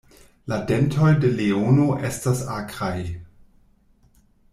La dentoj de leono estas akraj.